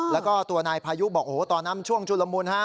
แล้วก็ตัวนายพายุบอกโอ้โหตอนนั้นช่วงชุลมุนฮะ